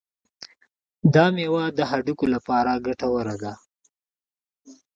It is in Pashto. دا میوه د هډوکو لپاره ګټوره ده.